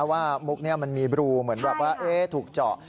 ว่ามุกมันมีรูเหมือนแบบว่าเอ๊ะถูกเจาะ